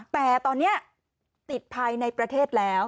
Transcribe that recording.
แต่ตอนนี้ติดภายในประเทศแล้ว